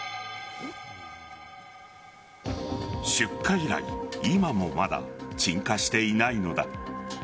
出火以来今もまだ鎮火していないのだ。